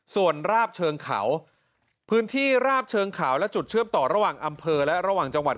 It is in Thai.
ส่วนราบเชิงเขาพื้นที่ราบเชิงเขาและจุดเชื่อมต่อระหว่างอำเภอและระหว่างจังหวัด